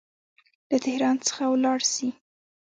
له تهران څخه ولاړ سي.